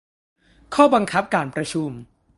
ข้อบังคับการประชุม